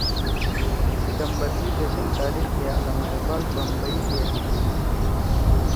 ستمبر سی دشم تاریخ کے علامہ اقبال بمبئی گے آوؤ